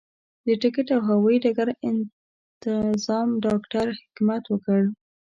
د ټکټ او هوايي ډګر انتظام ډاکټر حکمت وکړ.